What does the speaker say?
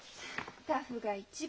タフが一番。